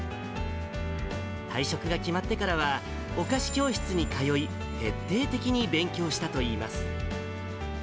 退職が決まってからは、お菓子教室に通い、徹底的に勉強したといいます。